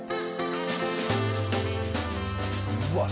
うわっ！